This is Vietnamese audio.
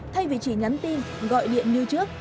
thay vì chỉ nhắn tin gọi điện như trước